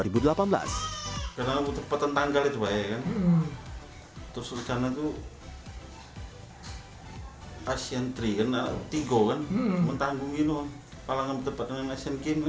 palembang berdepan dengan asian games